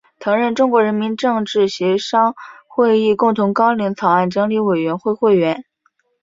曾任中国人民政治协商会议共同纲领草案整理委员会委员。